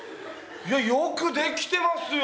よく出来てますよ！